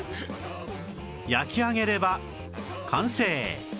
焼き上げれば完成